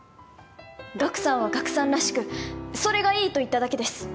ガクさんはガクさんらしくそれがいいと言っただけです